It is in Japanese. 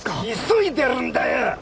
急いでるんだよ。